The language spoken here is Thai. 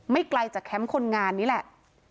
ไกลจากแคมป์คนงานนี้แหละ